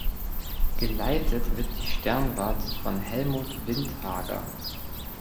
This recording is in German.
Geleitet wird die Sternwarte von Helmut Windhager.